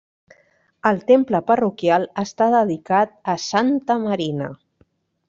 El temple parroquial està dedicat a Santa Marina.